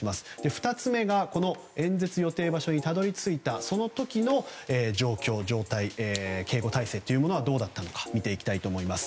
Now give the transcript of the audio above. ２つ目が演説予定場所にたどり着いたその時の状況、状態警護態勢はどうだったのか見ていきたいと思います。